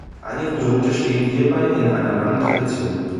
Einige Produkte stehen hierbei in einer langen Tradition.